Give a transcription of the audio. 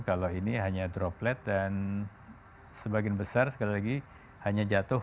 kalau ini hanya droplet dan sebagian besar sekali lagi hanya jatuh